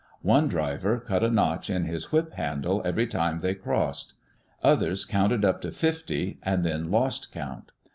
One driver cut a notch in his whip handle every time they crossed. Others counted up to fifty and then lost count.